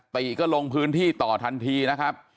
ติก็ลงพื้นที่ต่อทันทีนะครับ